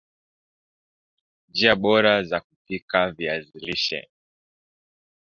njia bora za kupika viazi lishe